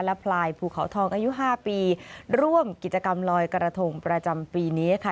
และพลายภูเขาทองอายุ๕ปีร่วมกิจกรรมลอยกระทงประจำปีนี้ค่ะ